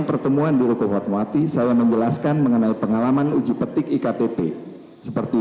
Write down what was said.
pertemuan di ruko hotmawati saya menjelaskan mengenai pengalaman uji petik iktp seperti